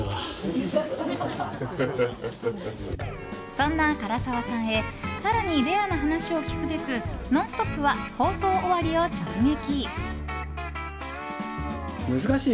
そんな唐沢さんへ更にレアな話を聞くべく「ノンストップ！」は放送終わりを直撃！